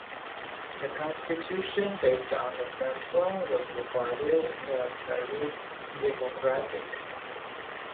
The Constitution, based on the French one, was regarded as very democratic.